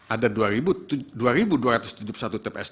ada dua dua ratus tujuh puluh satu tps